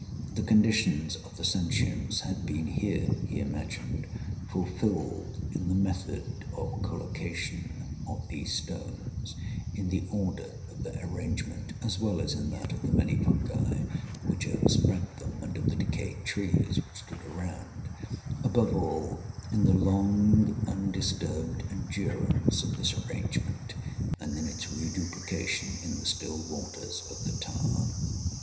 The conditions of the sentience had been here, he imagined, fulfilled in the method of collocation of these stones—in the order of their arrangement, as well as in that of the many fungi which overspread them, and of the decayed trees which stood around—above all, in the long undisturbed endurance of this arrangement, and in its reduplication in the still waters of the tarn.